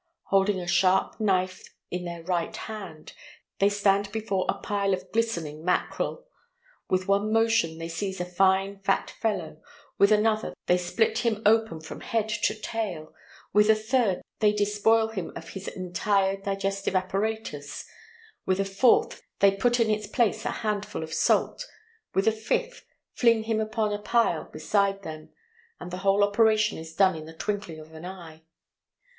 Holding a sharp knife in their right hand, they stand before a pile of glistening mackerel. With one motion they seize a fine fat fellow, with another they split him open from head to tail, with a third they despoil him of his entire digestive apparatus, with a fourth they put in its place a handful of salt, with a fifth fling him upon a pile beside them, and the whole operation is done in the twinkling of an eye.